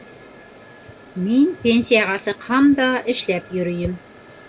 Мин пенсияға сыҡһам да, эшләп йөрөйөм.